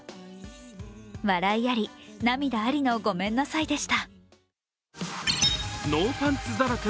笑いあり、涙ありのごめんなさいでした。